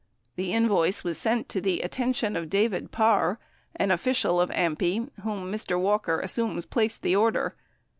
The invoice was sent to the attention of David Parr, an official of AMPI whom Mr. Walker assumes placed the order.